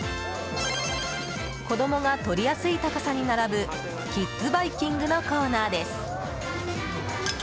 子供が取りやすい高さに並ぶキッズバイキングのコーナーです。